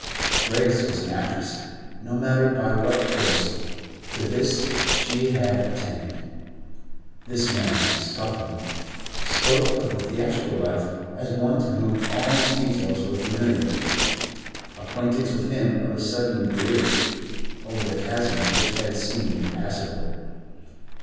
Grace was an actress; no matter by what course, to this she had attained. This man, Scawthorne, spoke of the theatrical life as one to whom all its details were familiar; acquaintance with him of a sudden bridged over the chasm which had seemed impassable.